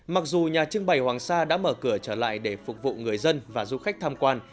mặc dù nhà trưng bày hoàng sa đã mở cửa trở lại để phục vụ người dân và du khách tham quan